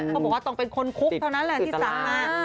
เขาบอกว่าต้องเป็นคนคุกเท่านั้นแหละที่สั่งมา